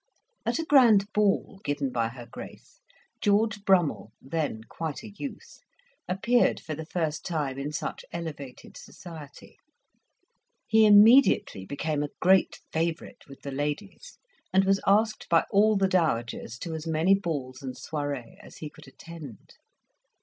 At a grand ball given by her Grace, George Brummell, then quite a youth, appeared for the first time in such elevated society. He immediately became a great favourite with the ladies, and was asked by all the dowagers to as many balls and soirees as he could attend.